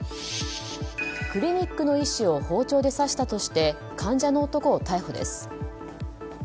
クリニックの医師を包丁で刺したとして患者の男を逮捕です。